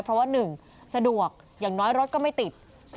เพราะว่า๑สะดวกอย่างน้อยรถก็ไม่ติด